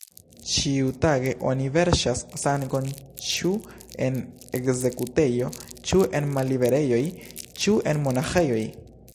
Ĉiutage oni verŝas sangon ĉu en ekzekutejo, ĉu en malliberejoj, ĉu en monaĥejoj.